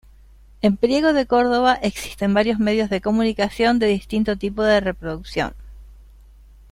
En Priego de Córdoba existen varios medios de comunicación de distinto tipo de reproducción.